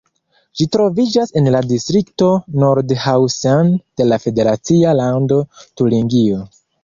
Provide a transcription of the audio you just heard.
Ĝi troviĝas en la distrikto Nordhausen de la federacia lando Turingio.